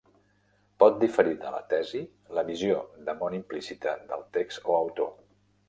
Pot diferir de la tesi-la visió de món implícita del text o autor.